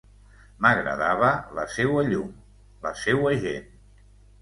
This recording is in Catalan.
M'agradava la seua llum, la seua gent.